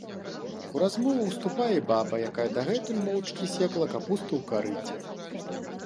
У размову ўступае і баба, якая дагэтуль моўчкі секла капусту ў карыце.